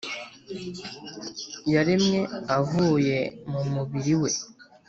yaremwe avuye mu mubiri we